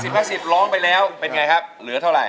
ตอนแรกบอก๕๐๕๐ร้องไปแล้วเป็นไงครับเหลือเท่าไร